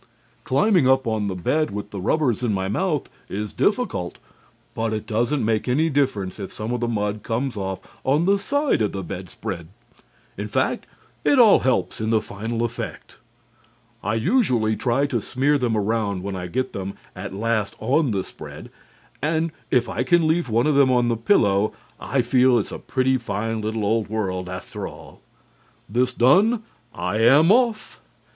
"Climbing up on the bed with the rubbers in my mouth is difficult, but it doesn't make any difference if some of the mud comes off on the side of the bedspread. In fact, it all helps in the final effect. I usually try to smear them around when I get them at last on the spread, and if I can leave one of them on the pillow, I feel that it's a pretty fine little old world, after all. This done, and I am off."